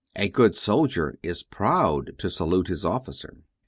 A good soldier is proud to salute his officer.